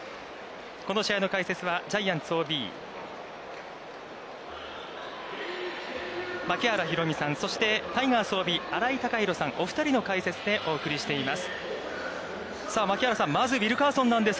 この試合の解説は、ジャイアンツＯＢ槙原寛己さん、そして、タイガースＯＢ、新井貴浩さん、お二人の解説でお送りしています。